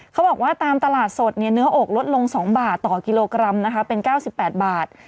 เขาบอกว่าตามตลาดสดเนื้ออกลดลง๒บาทต่อกิโลกรัมนะคะเป็น๙๘บาท